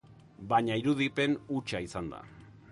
Baina irudipen hutsa izan da.